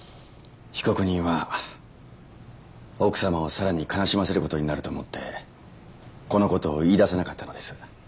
被告人は奥様をさらに悲しませる事になると思ってこの事を言い出せなかったのです。